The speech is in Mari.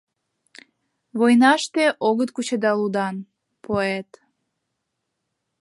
Войнаште огыт кучедал удан, поэт!